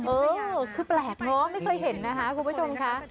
เออคือแปลกเนอะไม่เคยเห็นนะคะคุณผู้ชมค่ะ